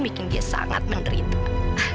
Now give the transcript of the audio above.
bikin dia sangat menerita